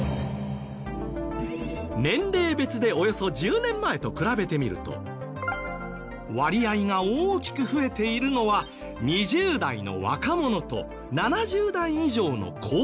年齢別でおよそ１０年前と比べてみると。割合が大きく増えているのは２０代の若者と７０代以上の高齢者。